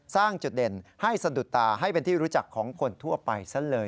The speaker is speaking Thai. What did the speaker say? สร้างจุดเด่นให้สะดุดตาให้เป็นที่รู้จักของคนทั่วไปซะเลย